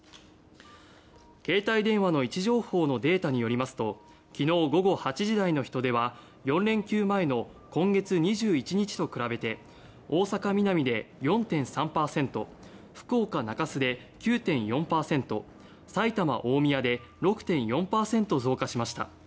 携帯電話の位置情報のデータによりますと昨日午後８時台の人出は４連休前の今月２１日と比べて大阪・ミナミで４．３％福岡・中洲で９．４％埼玉・大宮で６．４％増加しました。